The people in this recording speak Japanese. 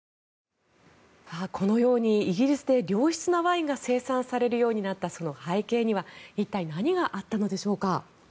このようにイギリスで良質なワインが生産されるようになったその背景には一体、何があったのでしょうか。